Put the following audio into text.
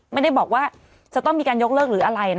ไม่ได้บอกว่าจะต้องมีการยกเลิกหรืออะไร